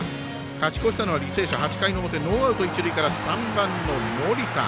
勝ち越したのは履正社８回の表、ノーアウト、一塁から３番の森田。